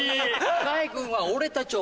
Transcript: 海軍は俺たちを